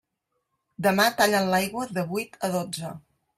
Demà tallen l'aigua de vuit a dotze.